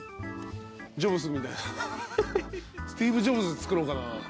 スティーブ・ジョブズ作ろうかな。